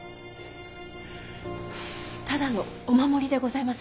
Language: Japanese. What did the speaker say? ただのお守りでございます。